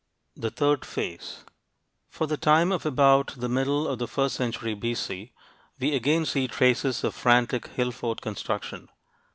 THE THIRD PHASE For the time of about the middle of the first century B.C., we again see traces of frantic hill fort construction.